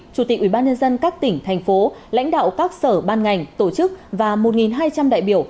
chủ tịch ủy ban nhân dân các tỉnh thành phố lãnh đạo các sở ban ngành tổ chức và một hai trăm linh đại biểu